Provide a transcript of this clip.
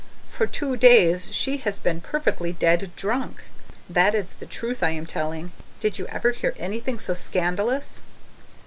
For two days she has been perfectly dead drunk! That is the truth I am telling. Did you ever hear anything so scandalous?